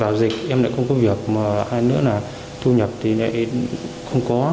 vào dịch em lại không có việc mà hai nữa là thu nhập thì lại không có